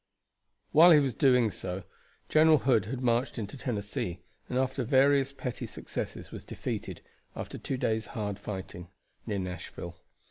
While he was so doing, General Hood had marched into Tennessee, and after various petty successes was defeated, after two days' hard fighting, near Nashville.